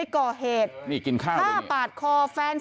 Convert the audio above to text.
เกาะกัน